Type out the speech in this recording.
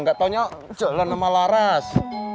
nggak taunya jalan sama laras